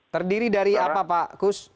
terdiri dari apa pak kus